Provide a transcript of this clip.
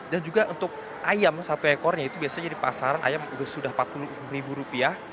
dan juga untuk ayam satu ekornya itu biasanya di pasaran ayam sudah empat puluh ribu rupiah